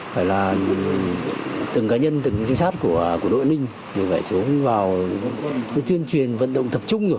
phải là từng cá nhân từng trung sát của đội an ninh phải xuống vào tuyên truyền vận động tập trung